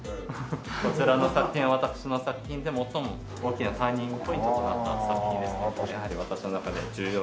こちらの作品は私の作品で最も大きなターニングポイントとなった作品でしてやはり私の中で重要視してる。